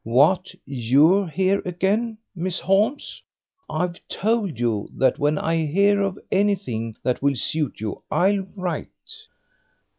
"What, you here again, Miss Holmes? I've told you that when I hear of anything that will suit you I'll write."